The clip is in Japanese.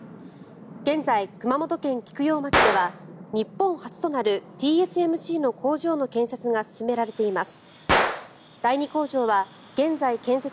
現在、熊本県菊陽町では日本初となるＴＳＭＣの工場の建設が進められています。